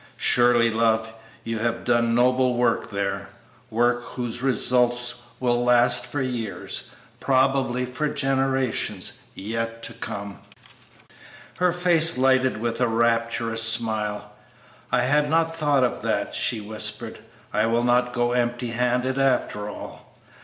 Surely, love, you have done noble work there; work whose results will last for years probably for generations yet to come!" Her face lighted with a rapturous smile. "I had not thought of that," she whispered; "I will not go empty handed after all.